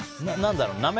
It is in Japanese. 何だろう？